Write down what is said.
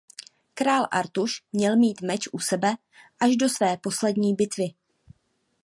Král Artuš měl mít meč u sebe až do své poslední bitvy.